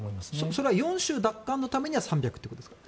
それは４州奪還のためには３００ということですか。